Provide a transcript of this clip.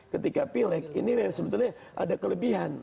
ketika pileg ini memang sebetulnya ada kelebihan